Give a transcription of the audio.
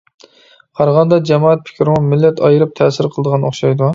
قارىغاندا، جامائەت پىكرىمۇ مىللەت ئايرىپ تەسىر قىلىدىغان ئوخشايدۇ.